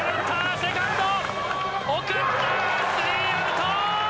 スリーアウト！